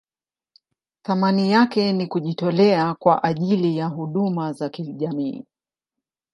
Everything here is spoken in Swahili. Thamani yake ni kujitolea kwa ajili ya huduma za kijamii.